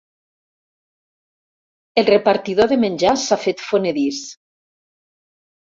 El repartidor de menjar s'ha fet fonedís.